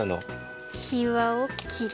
きわをきる。